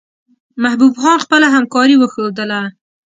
محبوب خان خپله همکاري وښودله.